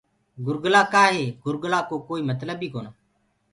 گُرگلآ ڪآ هي گُرگلآ ڪو ڪوئيٚ متلب ڪونآ۔